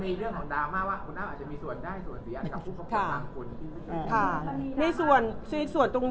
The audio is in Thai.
มีเรื่องของดราม่าว่าคุณแอ้มอาจจะมีส่วนได้ส่วนเลี้ยนกับผู้ปกประหลังคุณ